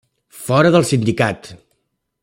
Fora del Sindicat!